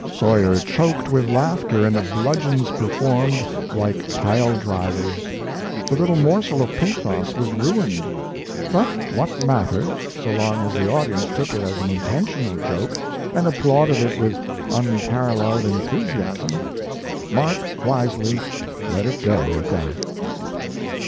Sawyer choked with laughter, and the bludgeons performed like pile drivers. The little morsel of pathos was ruined; but what matter, so long as the audience took it as an intentional joke, and applauded it with unparalleled enthusiasm. Mark wisely let it go at that!